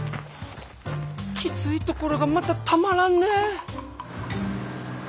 きついところがまたたまらんねぇ。